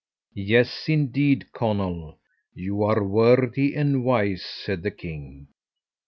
"Yes, indeed, Conall, you are wordy and wise," said the king.